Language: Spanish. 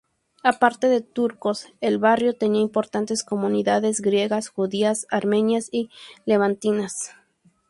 Aparte de turcos, el barrio tenía importantes comunidades griegas, judías, armenias y levantinas.